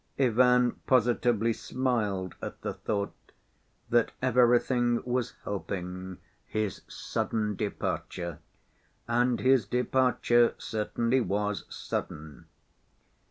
Ivan positively smiled at the thought that everything was helping his sudden departure. And his departure certainly was sudden.